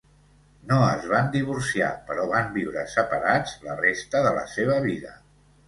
No es van divorciar, però van viure separats la resta de la seva vida.